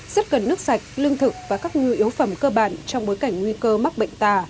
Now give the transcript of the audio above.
rất cần nước sạch lương thực và các nhu yếu phẩm cơ bản trong bối cảnh nguy cơ mắc bệnh tà